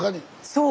そう。